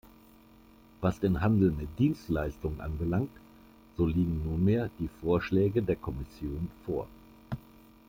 Was den Handel mit Dienstleistungen anbelangt, so liegen nunmehr die Vorschläge der Kommission vor.